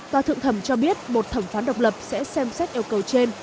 tòa thượng thẩm cho biết một thẩm phán độc lập sẽ xem xét yêu cầu trên